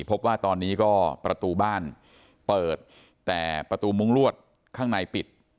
พบว่าตอนนี้ก็ประตูบ้านเปิดแต่ประตูมุ้งลวดข้างในปิด